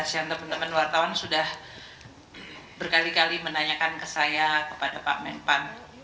teman teman wartawan sudah berkali kali menanyakan ke saya kepada pak menpan